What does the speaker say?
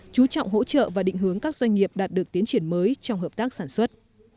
chú trọng hỗ trợ và định hướng các doanh nghiệp đạt được tiến triển mới trong hợp tác sản xuất